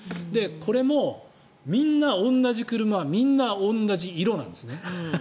これも、みんな同じ車みんな同じ色なんですね。